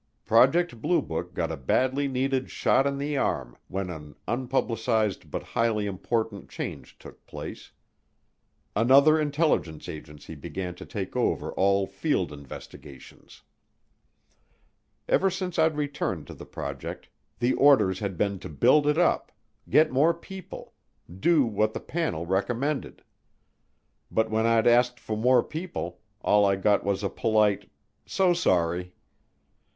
Project Blue Book got a badly needed shot in the arm when an unpublicized but highly important change took place: another intelligence agency began to take over all field investigations. Ever since I'd returned to the project, the orders had been to build it up get more people do what the panel recommended. But when I'd asked for more people, all I got was a polite "So sorry."